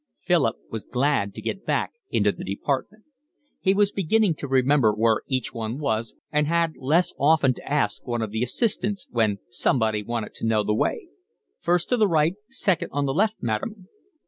Philip was glad to get back into the department. He was beginning to remember where each one was, and had less often to ask one of the assistants, when somebody wanted to know the way. "First to the right. Second on the left, madam."